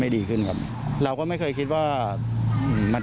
มั่งหลาหลายตาแต่เขาจำเราได้